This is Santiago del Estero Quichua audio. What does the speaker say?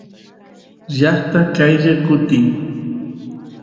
llaqta qaylla kutin